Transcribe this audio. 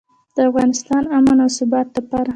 د افغانستان امن او ثبات لپاره.